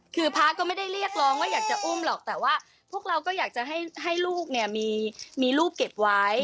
คือพระก็ไม่ได้เรียกร้องว่าอยากจะอุ้มหรอกแต่ว่าพวกเราก็อยากจะให้ลูกเนี่ยมีรูปเก็บไว้